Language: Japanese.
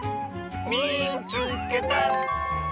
「みいつけた！」。